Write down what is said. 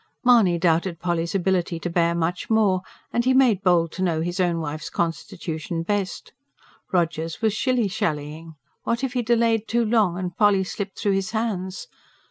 Mahony doubted Polly's ability to bear much more; and he made bold to know his own wife's constitution best. Rogers was shilly shallying: what if he delayed too long and Polly slipped through his hands?